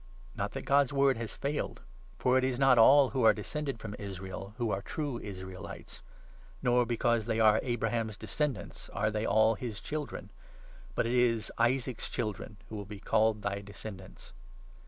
Not that God's Word has 6 failed. For it is not all who are descended from TO* Israels* Israel who are true Israelites ; nor, because Rejection they are Abraham's descendants, are they all his 7 by cod. Children ; but— ' It is Isaac's children who will be called thy descendants.'